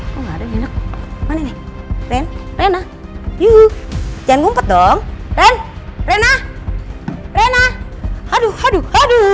hai enggak ada minum mana nih ren ren ah you jangan ngumpet dong ren ren ah aduh aduh aduh